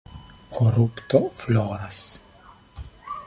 Korupto floras.